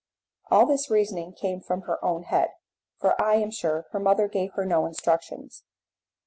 All this reasoning came from her own head, for I am sure her mother gave her no instructions.